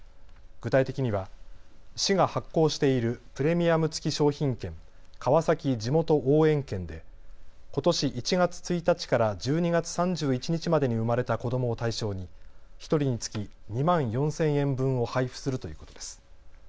具体的には市が発行しているプレミアム付き商品券、川崎じもと応援券でことし１月１日から１２月３１日までに生まれた子どもを対象に１人につき２万４０００円分を配布するということです。